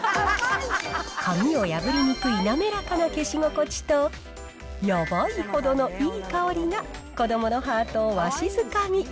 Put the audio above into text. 紙を破りにくい滑らかな消し心地とやばいほどのいい香りが子どものハートをわしづかみ。